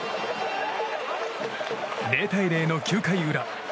０対０の９回裏。